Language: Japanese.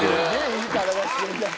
いい体してるな。